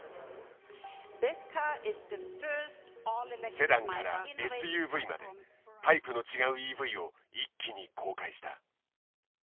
セダンからＳＵＶまでタイプの違うＥＶを一気に公開した。